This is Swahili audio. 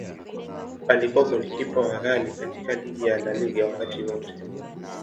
Akiwa golikipa wa ghali katika ligi ya La Liga wakati wote.